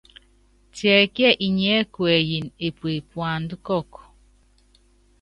Tiɛkíɛ inyiɛ́ kuɛyini epue puanda kɔkɔ?